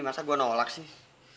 masa gue nolak sih